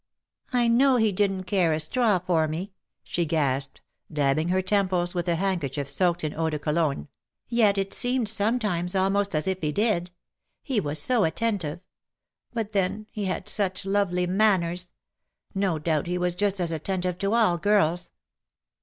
" I know he didn^t care a straw for me'' — she gasped, dabbing her temples with a handkerchief soaked in eau de Cologne —" yet it seemed some ^' YOURS ON MONDAY, GOD's TO DAY." 35 times almost as if he did : he was so attentive — but then he had such lovely manners — no doubt he was just as attentive to all girls.